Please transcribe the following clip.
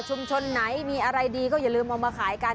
ไหนมีอะไรดีก็อย่าลืมเอามาขายกัน